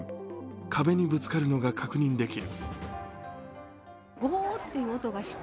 壁にぶつかるのが確認できる。